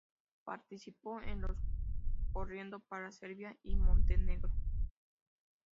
Participó en los corriendo para Serbia y Montenegro.